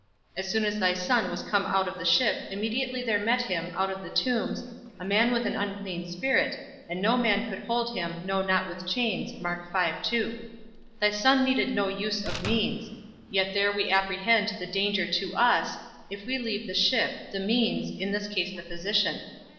_As soon as thy Son was come out of the ship, immediately there met him, out of the tombs, a man with an unclean spirit, and no man could hold him, no not with chains._ Thy Son needed no use of means; yet there we apprehend the danger to us, if we leave the ship, the means, in this case the physician.